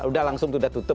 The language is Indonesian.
sudah langsung sudah tutup